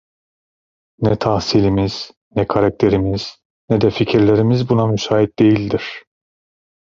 Ne tahsilimiz, ne karakterimiz, ne de fikirlerimiz buna müsait değildir.